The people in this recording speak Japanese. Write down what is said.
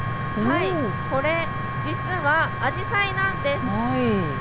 これ実はアジサイなんです。